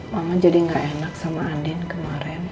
mama jadi gak enak sama andin kemarin